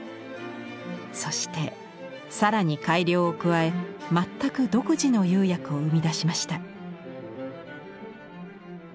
そして更に改良を加え全く独自の釉薬を生み出しました。